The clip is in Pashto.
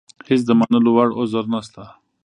هېڅ د منلو وړ عذر نشته.